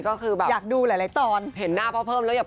ก็ได้ครับ